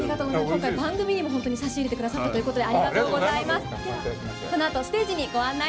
今回、番組にも本当に差し入れてくださったということで、